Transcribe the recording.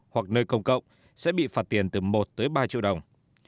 hoặc nơi công cộng sẽ bị phạt tiền từ một tới ba triệu đồng